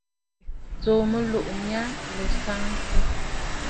Tsùù mɨlùʼù mya lǒ saansə!